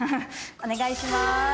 「お願いします」